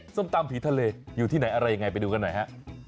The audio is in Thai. ส้มตำผีทะเลอยู่ที่ไหนอะไรยังไงไปดูกันหน่อยฮะ